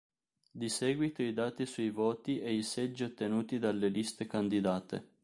Di seguito i dati sui voti e i seggi ottenuti dalle liste candidate.